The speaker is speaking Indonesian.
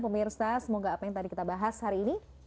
pemirsa semoga apa yang tadi kita bahas hari ini